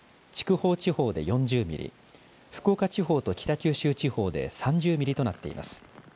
筑豊地方で４０ミリ福岡地方と北九州地方で３０ミリとなっています。